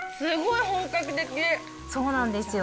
そうなんですよ。